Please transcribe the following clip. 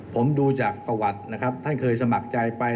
ผมดูจากประวัตินะครับท่านเคยสมัครใจไป